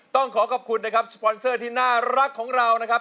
ต้องขอขอบคุณนะครับสปอนเซอร์ที่น่ารักของเรานะครับ